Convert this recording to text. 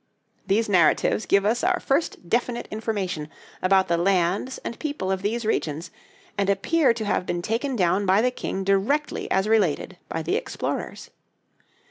These narratives give us our first definite information about the lands and people of these regions, and appear to have been taken down by the king directly as related by the explorers.